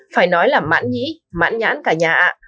phải nói là mãn nhĩ mãn nhãn cả nhà ạ